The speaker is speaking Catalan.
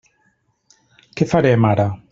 Què farem ara?